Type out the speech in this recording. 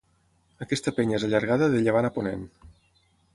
Aquesta penya és allargada de llevant a ponent.